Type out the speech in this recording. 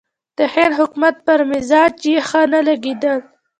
د هند حکومت پر مزاج یې ښه نه لګېدل.